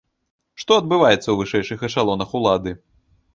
Што адбываецца ў вышэйшых эшалонах улады?